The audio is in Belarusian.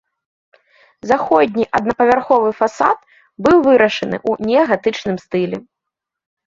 Заходні аднапавярховы фасад быў вырашаны ў неагатычным стылі.